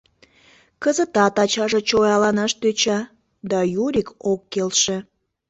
Кызытат ачаже чояланаш тӧча, да Юрик ок келше...